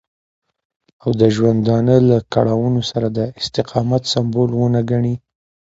او د ژوندانه له کړاوونو سره د استقامت سمبول ونه ګڼي.